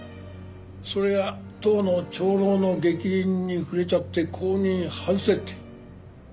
それが党の長老の逆鱗に触れちゃって公認外せって。